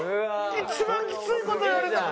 一番きつい事言われた。